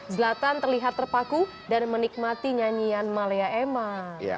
zlatan terlihat terpaku dan menikmati nyanyian malaya